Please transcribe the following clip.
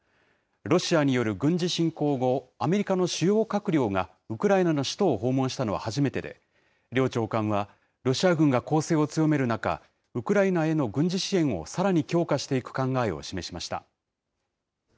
ロシアによる軍事侵攻後、アメリカの主要閣僚がウクライナの首都を訪問したのは初めてで、両長官は、ロシア軍が攻勢を強める中、ウクライナへの軍事支援をさらに強化していく考えを示しました。